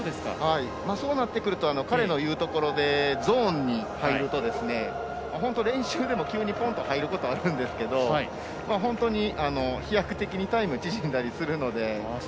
そうなってくると彼の言うところでゾーンに入ると本当、練習でも急にポンと入ることもあるんですけど本当に飛躍的にタイム縮んだりするので。